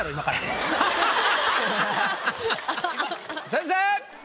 先生！